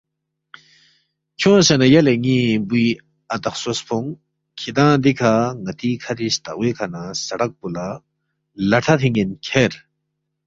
کھیونگسے نہ یلے ن٘ی بُوی اتا خسوسفونگ، کِھدانگ دِکھہ ن٘تی کَھری ستاغوے کھہ نہ سڑک پو لہ لٹھا تھِن٘ین کھیر،